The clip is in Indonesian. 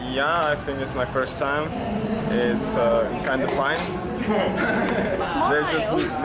ya saya pikir ini adalah pertama kali saya melihat anggrek ini